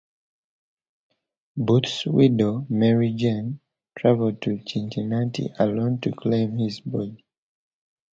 Booth's widow, Mary Anne, traveled in Cincinnati alone to claim his body.